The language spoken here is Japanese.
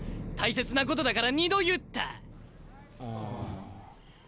大切なことだから２度言った。